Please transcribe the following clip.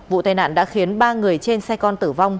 vụ tai nạn đã khiến ba người trên xe con tử vong